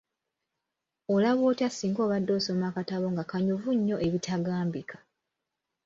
Olaba otya singa obadde osoma akatabo nga kanyuvu nnyo ebitagambika?